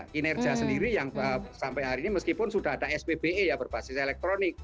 kinerja sendiri yang sampai hari ini meskipun sudah ada spbe ya berbasis elektronik